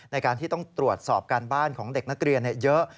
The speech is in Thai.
ในการที่ต้องตรวจสอบการบ้านของเด็กนักเรียนเยอะ